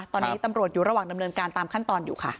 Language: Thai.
ตอนนี้ตำรวจอยู่ระหว่างดำเนินการตามขั้นตอนอยู่ค่ะ